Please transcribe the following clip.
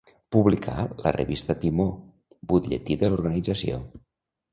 Publicà la revista Timó, butlletí de l'organització.